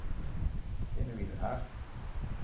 Binne wy der hast?